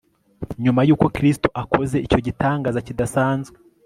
Nyuma yuko Kristo akoze icyo gitangaza kidasanzwe